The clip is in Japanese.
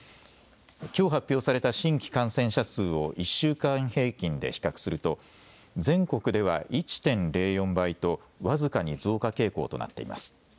きょう発表された新規感染者数を１週間平均で比較すると全国では１．０４倍と僅かに増加傾向となっています。